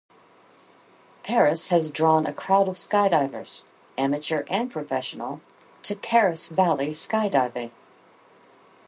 Perris has drawn a crowd of skydivers, amateur and professional, to Perris Valley Skydiving.